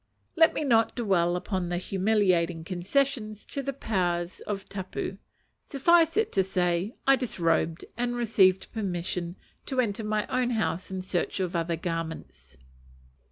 Let me not dwell upon the humiliating concession to the powers of tapu. Suffice it to say, I disrobed, and received permission to enter my own house in search of other garments.